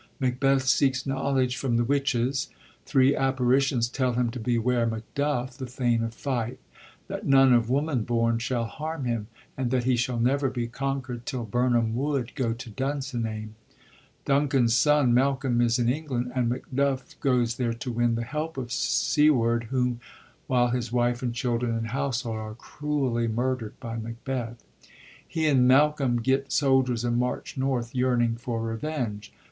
Macbeth seeks knowledge from the witches. Three apparitions tell him to beware Macduff, the thane of Fife ; that none of woman bom shall harm him, and that he shall never be conquerd till Bimam Wood go to Dunsinane. Duncan's son Malcolm is in England, and Macduff goes thei'e to win the help of Siward, while his wife and children and household are cruelly murderd by Macbeth. He and Malcolm get soldiers and march liorth, yearning for revenge.